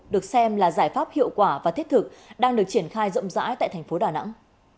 được xem là giải pháp hiệu quả và thiết thực đang được triển khai rộng rãi tại thành phố đà nẵng